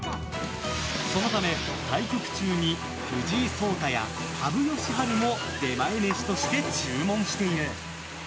そのため、対局中に藤井聡太や羽生善治も出前メシとして注文している！